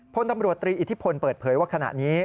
พลตำรวจตรีอิทธิพลเปิดเผยว่าขณะนี้